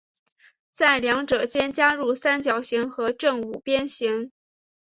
在两者间加入三角形和正五边形。